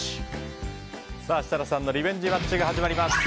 設楽さんのリベンジマッチが始まります。